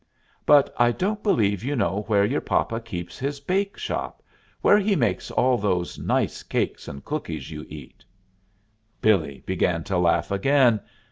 But I don't believe you know where your papa keeps his bake shop, where he makes all those nice cakes and cookies you eat." Billee began to laugh again.